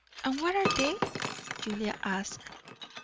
and what are they?" Julia asked.